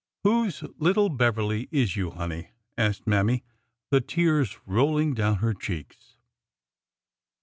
" Whose little Beverly is you, honey ?" asked Mammy, the tears rolling down her cheeks.